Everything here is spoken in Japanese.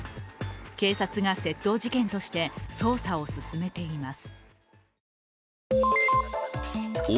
警察が窃盗事件として捜査を進めています。